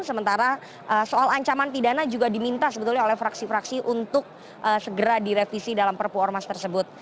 sementara soal ancaman pidana juga diminta sebetulnya oleh fraksi fraksi untuk segera direvisi dalam perpu ormas tersebut